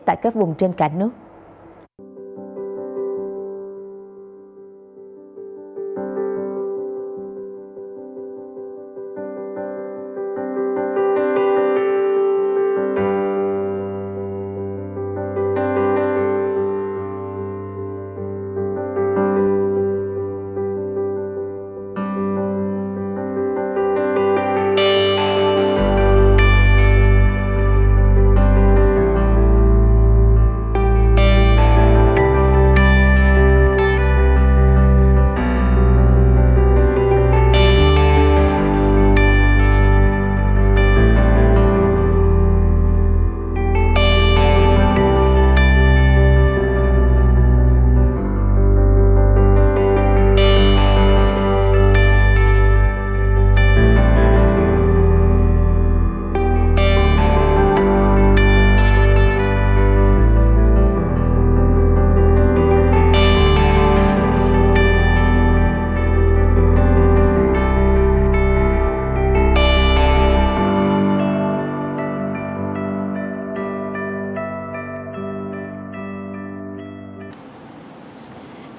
tại các vùng trên cả nước